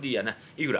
いくら？